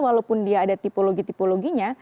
walaupun dia ada tipologi tipologinya